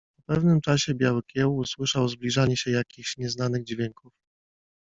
Po pewnym czasie Biały Kieł usłyszał zbliżanie się jakichś nieznanych dźwięków.